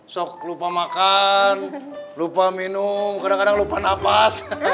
sok lupa makan lupa minum kadang kadang lupa napas